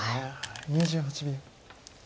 ２８秒。